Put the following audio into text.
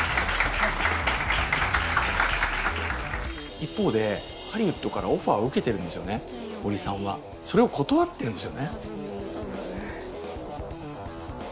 一方でハリウッドからオファーを受けてるんですよね堀さんは。それを断ってるんですよね。